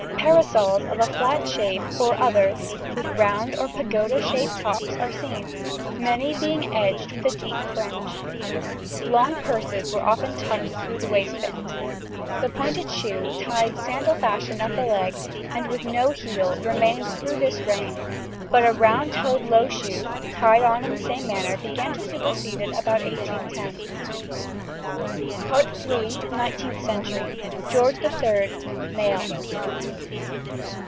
Parasols of a flat shape, or others with round or pagoda shaped tops are seen, many being edged with a deep fringe. Long purses were often tucked through the waistband. [Illustration: FIG. 109.] The pointed shoe, tied sandal fashion up the leg, and with no heel, remained through this reign, but a round toed low shoe, tied on in the same manner, began to supersede it about 1810. NINETEENTH CENTURY. GEORGE III. MALE.